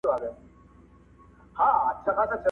د غرمې ډوډۍ مو